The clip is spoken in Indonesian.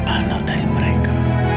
anal dari mereka